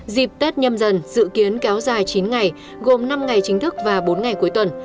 dịp tết nhâm dần dự kiến kéo dài chín ngày gồm năm ngày chính thức và bốn ngày cuối tuần